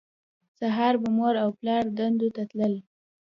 سهار به مور او پلار دندو ته تلل